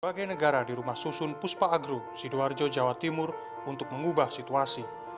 sebagai negara di rumah susun puspa agro sidoarjo jawa timur untuk mengubah situasi